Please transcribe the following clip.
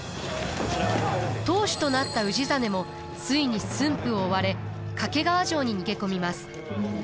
当主となった氏真もついに駿府を追われ掛川城に逃げ込みます。